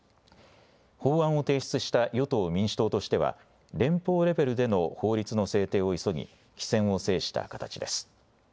法案を提出した与党・民主党としては、連邦レベルでの法律の制定を急ぎ、機先を制した形です。